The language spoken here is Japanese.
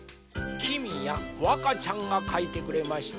きみやわかちゃんがかいてくれました。